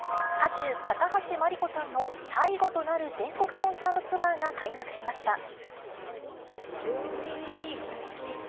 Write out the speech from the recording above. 歌手、高橋真梨子さんの最後となる全国コンサートツアーが開幕しました。